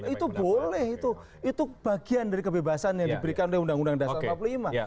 itu boleh itu bagian dari kebebasan yang diberikan oleh undang undang dasar empat puluh lima